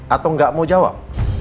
atau gak mau jawab